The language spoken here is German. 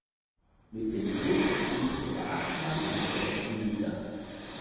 Mit dem Klub spielte er achtmal in der ersten Liga.